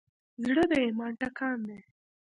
زړه د ایمان ټکان دی.